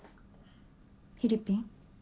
フィリピン？